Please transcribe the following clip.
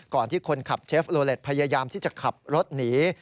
ที่คนขับเชฟโลเล็ตพยายามที่จะขับรถหนี